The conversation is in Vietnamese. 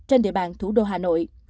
trên địa bàn thủ đô hà nội